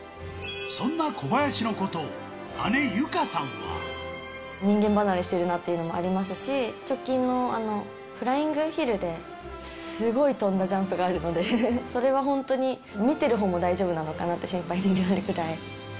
そんな小林のことを姉、人間離れしてるなっていうのもありますし、直近のフライングヒルですごい飛んだジャンプがあるので、それは本当に、見てるほうも大丈夫なのかなって心配になるくらい。